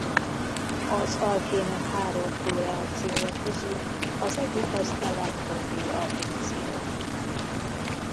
Az alkének három fő reakciója közül az egyik az elektrofil addíció.